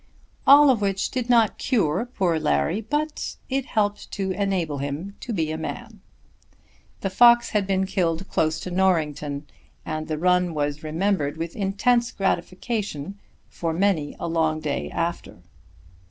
All of which did not cure poor Larry, but it helped to enable him to be a man. The fox had been killed close to Norrington, and the run was remembered with intense gratification for many a long day after.